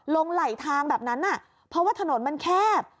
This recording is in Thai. ไหลทางแบบนั้นเพราะว่าถนนมันแคบ